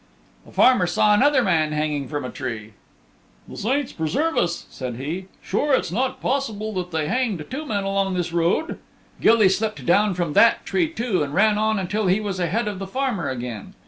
The farmer saw another man hanging from a tree. "The saints preserve us," said he, "sure; it's not possible that they hanged two men along this road?" Gilly slipped down from that tree too and ran on until he was ahead of the farmer again.